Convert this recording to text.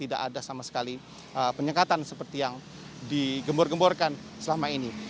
tidak ada sama sekali penyekatan seperti yang digembor gemborkan selama ini